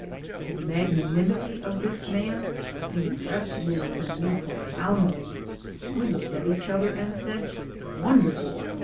The magnanimity of this man impressed Louis and me very profoundly; we looked at each other and said, "Wonderful!"